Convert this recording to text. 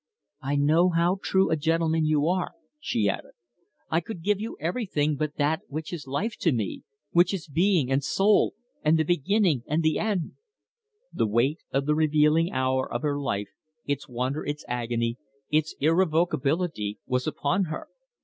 "I know how true a gentleman you are," she added. "I could give you everything but that which is life to me, which is being, and soul, and the beginning and the end." The weight of the revealing hour of her life, its wonder, its agony, its irrevocability, was upon her.